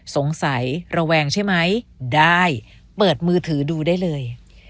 ระแวงใช่ไหมได้เปิดมือถือดูได้เลย